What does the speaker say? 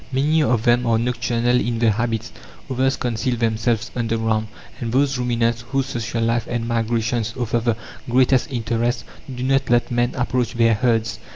Many of them are nocturnal in their habits; others conceal themselves underground; and those ruminants whose social life and migrations offer the greatest interest do not let man approach their herds.